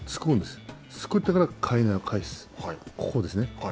すくってからかいなを返すここですね。